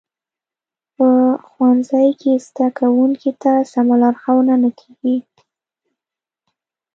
په ښوونځیو کې زده کوونکو ته سمه لارښوونه نه کیږي